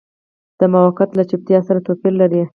دا مقاومت له چوپتیا سره توپیر لري.